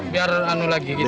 biar lagi gitu